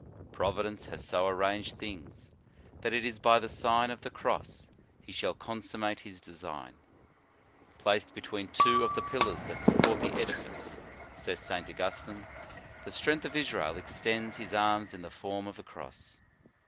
Providence has so arranged things that it is by the Sign of the Cross he shall consum mate his design. "Placed between two of the pillars that support the edifice," says St. Augustine, "the Strength of Israel extends his arms in the form of a cross.